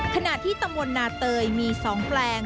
ขณะที่ตำบลนาเตยมี๒แปลง